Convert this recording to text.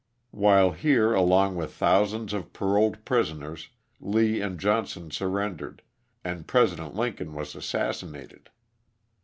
While here along with thousands of paroled prisoners, Lee and Johnson surrendered, and President Lincoln was assassinated.